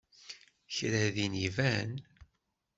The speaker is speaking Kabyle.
Kra din iban?